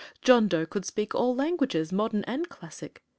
John Dough could speak all languages modern and classic.